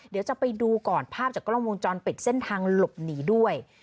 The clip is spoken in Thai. เดี๋ยวจะไปดูก่อนภาพจากกล้องวงจรปิดเส้นทางหลบหนีด้วย